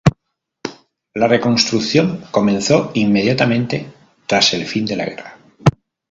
La reconstrucción comenzó inmediatamente tras el fin de la guerra.